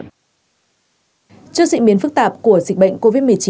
trước diễn biến phức tạp của dịch bệnh covid một mươi chín